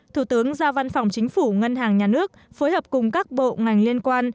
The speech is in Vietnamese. thủ tướng ra văn phòng chính phủ ngân hàng nhà nước phối hợp cùng các bộ ngành liên quan